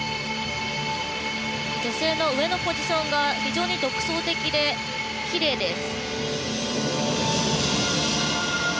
女性の上のポジションが非常に独創的で、きれいです。